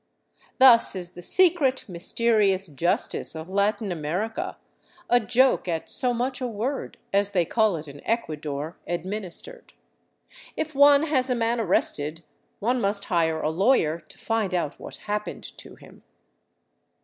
Thus is the secret, mysterious " jus tice " of Latin America, " a joke at so much a word," as they call it in Ecuador, administered. If one has a man arrested, one must hire a lawyer to find out what happened to him.